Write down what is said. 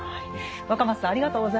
若松さんありがとうございました。